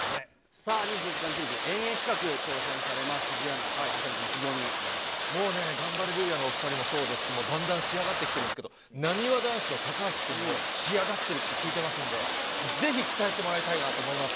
さあ、２４時間テレビ遠泳企画、挑戦されます藤井アナ、もうね、ガンバレルーヤのお２人もそうですし、だんだん仕上がってきてるんですけれども、なにわ男子の高橋君も仕上がってるって聞いてますんで、ぜひ期待してもらいたいなと思います。